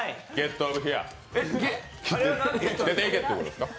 出て行けっていうことですか？